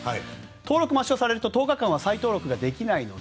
登録抹消すると１０日間は再登録ができないので。